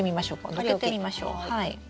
載っけてみましょう。